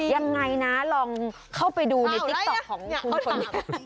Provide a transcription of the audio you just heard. ยังไงนะลองเข้าไปดูในติ๊กต๊อกของคุณคนขับ